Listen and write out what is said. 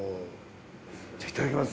じゃあいただきます。